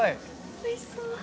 おいしそう。